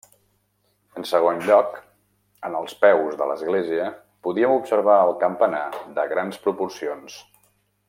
En segon lloc, en els peus de l'església podíem observar el campanar de grans proporcions.